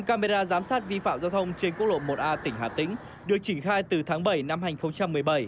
một mươi tám camera giám sát vi phạm giao thông trên quốc lộ một a tỉnh hà tĩnh được chỉnh khai từ tháng bảy năm hai nghìn một mươi bảy